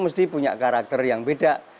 mesti punya karakter yang beda